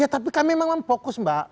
ya tapi kami memang fokus mbak